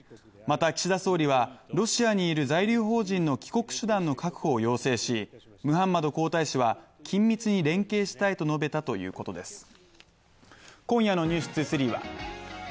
また、岸田総理はロシアにいる在留邦人の帰国手段の確保を要請し、ムハンマド皇太子は緊密に連携したいと述べたということです。